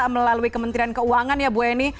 melalui kementerian keuangan ya bu eni